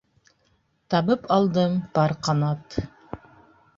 Табып алдым пар ҡанат.